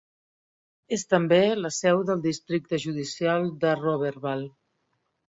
És també la seu del districte judicial de Roberval.